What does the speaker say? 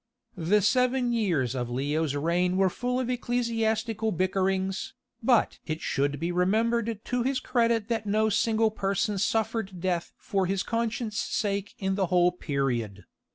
The seven years of Leo's reign were full of ecclesiastical bickerings, but it should be remembered to his credit that no single person suffered death for his conscience' sake in the whole period.